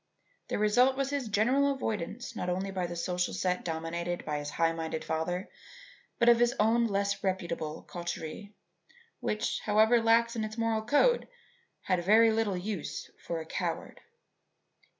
The result was his general avoidance not only by the social set dominated by his high minded father, but by his own less reputable coterie, which, however lax in its moral code, had very little use for a coward.